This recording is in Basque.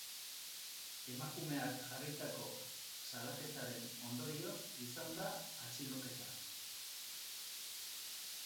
Emakumeak jarritako salaketaren ondorioz izan da atxiloketa.